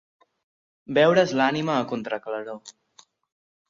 Veure's l'ànima a contraclaror.